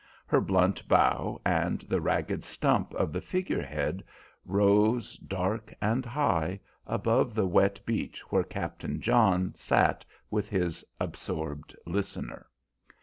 Her blunt bow and the ragged stump of the figure head rose, dark and high, above the wet beach where Captain John sat with his absorbed listener.